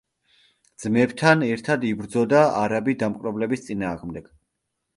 ძმებთან ერთად იბრძოდა არაბი დამპყრობლების წინააღმდეგ.